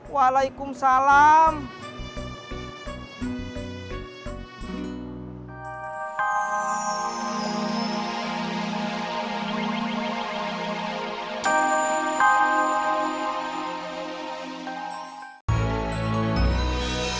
bisa pulang besok atau enggak